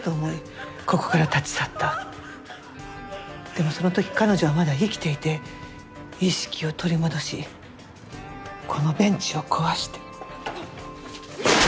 でもその時彼女はまだ生きていて意識を取り戻しこのベンチを壊して。